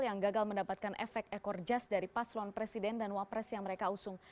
yang gagal mendapatkan efek ekor jas dari paslon presiden dan wapres yang mereka usung